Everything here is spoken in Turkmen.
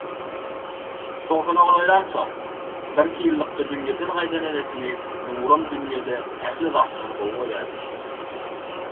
Togsana golaýlansoň, bir-iki ýyllykda dünýeden gaýdan enesini Nurum dünýede ähli zatdan gowy görýärdi